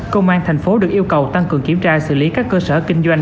công an tp hcm được yêu cầu tăng cường kiểm tra xử lý các cơ sở kinh doanh